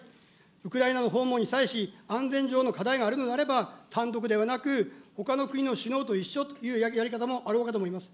ウクライナの訪問に際し、安全上の課題があるのであれば、単独ではなく、ほかの国の首脳と一緒というやり方もあろうかと思います。